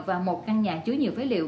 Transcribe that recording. và một căn nhà chứa nhiều phế liệu